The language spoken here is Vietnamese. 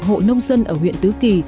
hộ nông dân ở huyện tứ kỳ